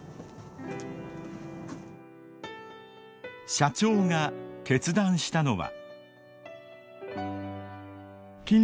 社長が決断したのは。